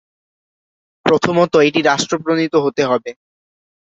প্রথমত এটি রাষ্ট্র প্রণীত হতে হবে।